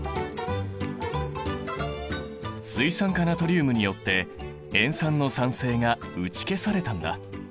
水酸化ナトリウムによって塩酸の酸性が打ち消されたんだ。